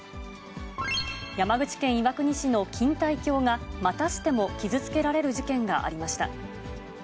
山口県岩国市の錦帯橋が、またしても傷つけられる事件がありました。